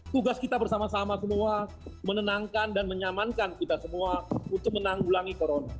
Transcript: tugas kita bersama sama semua menenangkan dan menyamankan kita semua untuk menanggulangi corona